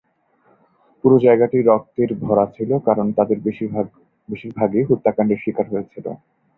পুরো জায়গাটি রক্তের ভরা ছিল, কারণ তাদের বেশিরভাগই হত্যাকাণ্ডের শিকার হয়েছিল।